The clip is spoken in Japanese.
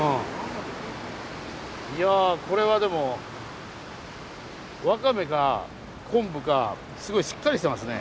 いやこれはでもワカメか昆布かすごいしっかりしてますね。